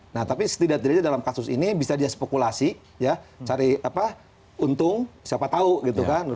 nah tapi setidaknya dalam kasus ini bisa dia spekulasi cari untung siapa tahu gitu kan